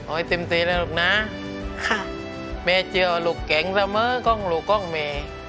โอ้ยเต็มทีเลยลูกน้าค่ะแม่เจอลูกเก่งซะเมอร์ก้องลูกก้องแม่